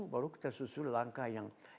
baru kita susun langkah yang